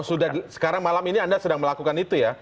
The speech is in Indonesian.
sudah sekarang malam ini anda sedang melakukan itu ya